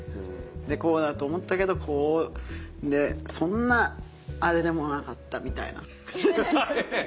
でこうだと思ったけどこう「そんなアレでもなかった」は。